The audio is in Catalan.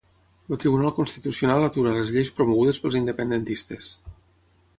El Tribunal Constitucional atura les lleis promogudes pels independentistes.